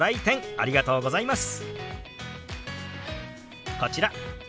ありがとうございます。